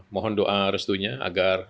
mohon doa restunya agar